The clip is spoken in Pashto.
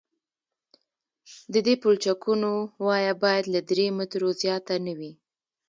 د دې پلچکونو وایه باید له درې مترو زیاته نه وي